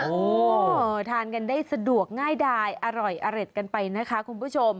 โอ้โหทานกันได้สะดวกง่ายดายอร่อยกันไปนะคะคุณผู้ชม